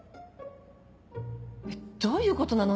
どういうことなの？